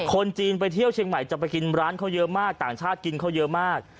คนจีนไปเที่ยวเชียงใหม่จะไปกินร้านเขาเยอะมากต่างชาติกินเขาเยอะมาก